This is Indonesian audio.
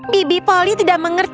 bibi polly tidak mengerti